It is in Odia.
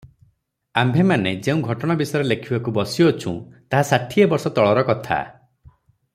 ଆମ୍ଭେମାନେ ଯେଉଁ ଘଟଣା ବିଷୟ ଲେଖିବାକୁ ବସିଅଛୁଁ, ତାହା ଷାଠିଏ ବର୍ଷ ତଳର କଥା ।